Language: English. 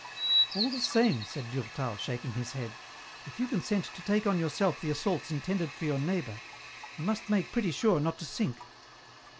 " All the same," said Durtal, shaking his head, " if you consent to take on yourself the assaults intended for your neighbour, you must make pretty sure not to sink."